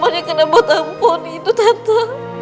semuanya kena batang pohon itu tante